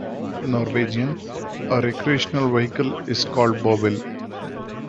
Norwegian: A "recreational vehicle" is called bobil.